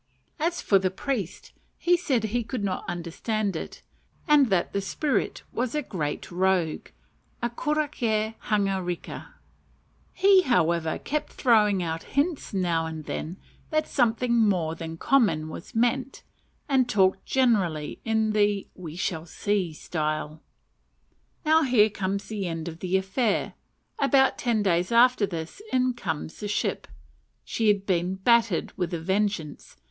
As for the priest, he said he could not understand it, and that "the spirit was a great rogue" a koroke hangareka. He, however, kept throwing out hints now and then that something more than common was meant, and talked generally in the "we shall see" style. Now here comes the end of the affair. About ten days after this in comes the ship. She had been "battered" with a vengeance.